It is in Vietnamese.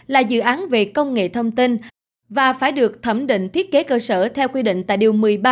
là dự án về công nghệ thông tin và phải được thẩm định thiết kế cơ sở theo quy định tại điều một mươi ba